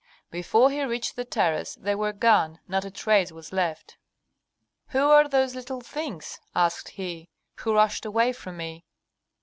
Before he reached the terrace they were gone, not a trace was left. "Who are those little things," asked he, "who rushed away from me?"